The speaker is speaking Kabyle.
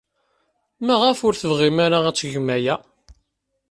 Maɣef ur tebɣim ara ad tgem aya?